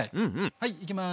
はいいきます。